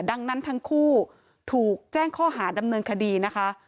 ดังนั้นทั้งคู่ถูกแจ้งข้อหาดำเนินคดีนะคะ